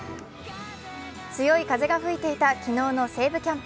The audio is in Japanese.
強い風が吹いていた昨日の西武キャンプ。